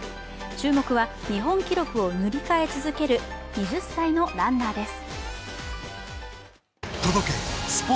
注目は日本記録を塗り替え続ける２０歳のランナーです。